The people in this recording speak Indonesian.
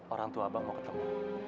orang tua abang mau ketemu